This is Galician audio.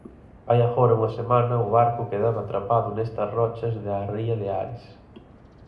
Hai agora unha semana o barco quedaba atrapado nestas rochas da ría de Ares.